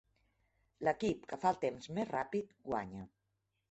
L'equip que fa el temps més ràpid guanya.